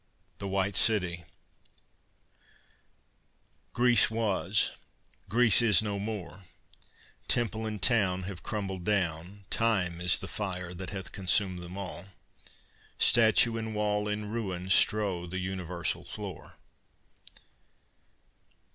"THE WHITE CITY" I Greece was; Greece is no more. Temple and town Have crumbled down; Time is the fire that hath consumed them all. Statue and wall In ruin strew the universal floor.